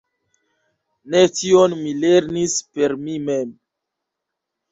Ne, tion mi lernis per mi mem.